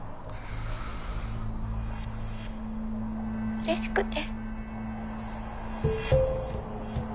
うれしくて。